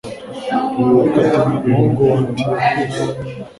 ariko atinya umuhungu wa antiyokusi